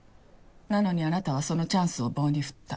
なのにあなたはそのチャンスを棒に振った。